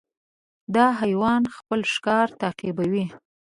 دا حیوان خپل ښکار تعقیبوي.